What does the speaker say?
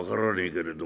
けれど